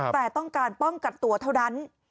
แต่ต้องการป้องกันตัวเท่านั้น